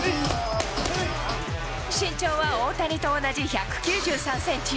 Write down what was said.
身長は大谷と同じ１９３センチ。